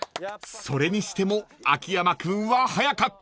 ［それにしても秋山君は速かった］